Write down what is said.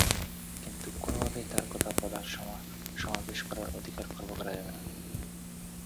কিন্তু কোনোভাবেই তার কথা বলার, সভা-সমাবেশ করার অধিকার খর্ব করা যাবে না।